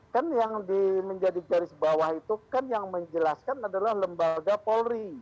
kan yang menjadi garis bawah itu kan yang menjelaskan adalah lembaga polri